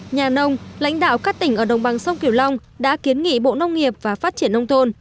nhà nông lãnh đạo các tỉnh ở đồng bằng sông kiều long đã kiến nghị bộ nông nghiệp và phát triển nông thôn